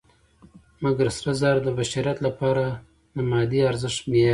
مګر سره زر د بشریت لپاره د مادي ارزښت معیار دی.